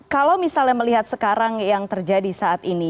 kalau misalnya melihat sekarang yang terjadi saat ini